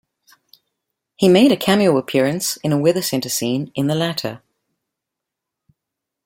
He made a cameo appearance in a weather center scene in the latter.